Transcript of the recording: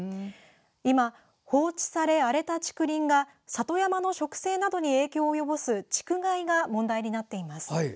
今、放置され、荒れた竹林が里山の植生などに影響を及ぼす竹害が問題になっています。